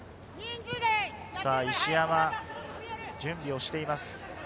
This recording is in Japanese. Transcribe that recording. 石山が準備しています。